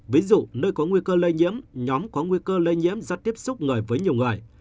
ví dụ nơi có nguy cơ lây nhiễm nhóm có nguy cơ lây nhiễm ra tiếp xúc người với nhiều người